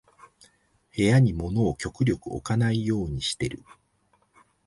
部屋に物を極力置かないようにしてる